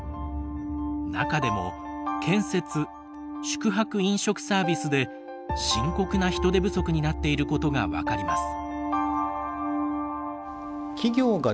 中でも建設宿泊・飲食サービスで深刻な人手不足になっていることが分かります。